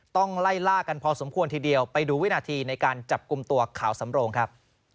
ต้องไล่ล่ากันพอสมควรทีเดียวไปดูวินาทีในการจับกลุ่มตัวขาวสำโรงครับ